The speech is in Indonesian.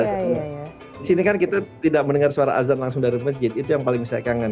di sini kan kita tidak mendengar suara azan langsung dari masjid itu yang paling saya kangen